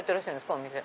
お店。